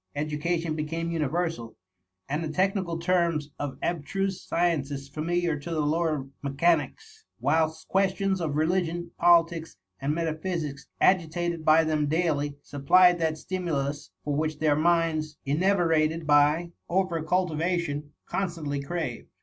Education be« came universal, and the technical terms of ab struse sciences familiar to the lowest rfiechanics ; whilst questions of religion, politics, and meta pliysies, agitated by them daily, supplied that stimulus, for which their minds, enervated by b3 4 I'HK MUMMY. over cultivation^ constantly craved.